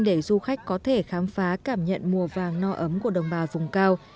để du khách có thể khám phá cảm nhận mùa vàng no ấm của đồng bào vùng cao